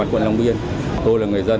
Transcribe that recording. quận long biên tôi là người dân